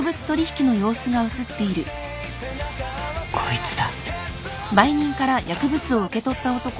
こいつだ。